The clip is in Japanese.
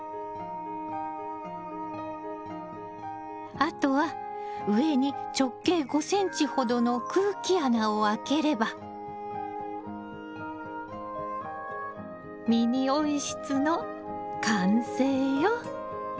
あとは上に直径５ｃｍほどの空気穴を開ければミニ温室の完成よ。